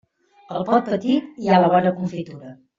Al pot petit hi ha la bona confitura.